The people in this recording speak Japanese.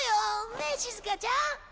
ねえしずかちゃん？